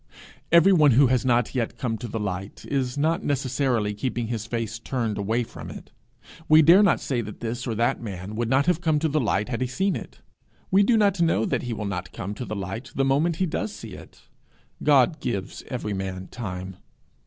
Everyone who has not yet come to the light is not necessarily keeping his face turned away from it. We dare not say that this or that man would not have come to the light had he seen it; we do not know that he will not come to the light the moment he does see it. God gives every man time.